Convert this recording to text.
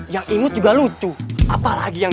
yang ingat juga lucu apalagi yang